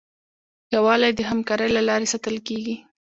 یووالی د همکارۍ له لارې ساتل کېږي.